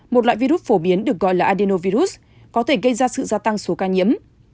một loại virus phổ biến được gọi là adenovirus có thể gây ra sự gia tăng số ca nhiễm